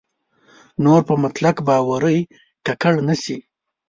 نور په مطلق باورۍ ککړ نه شي.